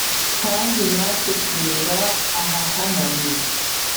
kandi natwe, tureba ahahanamye,